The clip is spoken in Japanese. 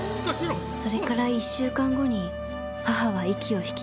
それから１週間後に母は息を引き取りました。